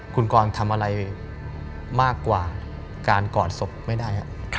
คุณกรทำอะไรมากกว่าการกอดศพไม่ได้